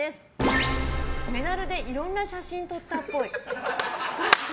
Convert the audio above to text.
メダルでいろんな写真撮ったっぽい。